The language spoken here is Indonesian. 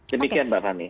demikian mbak rani